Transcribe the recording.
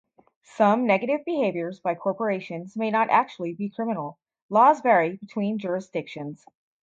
Some negative behaviours by corporations may not actually be criminal; laws vary between jurisdictions.